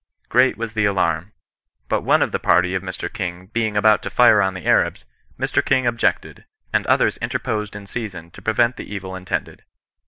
Great was the alarm ; but one of the party of Mr King being about to fire on the Arabs, Mr. King objected, and others interposed in season to preyent the evil intended.